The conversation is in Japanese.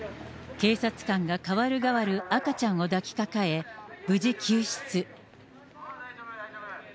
警察官がかわるがわる赤ちゃんを抱きかかえ、無事救出。